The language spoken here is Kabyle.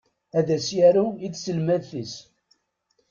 Ad as-yaru i tselmadt-is.